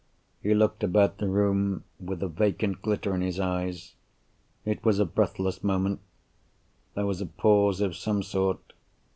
He looked about the room, with a vacant glitter in his eyes. It was a breathless moment. There was a pause of some sort.